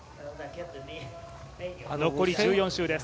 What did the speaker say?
残り１４周です。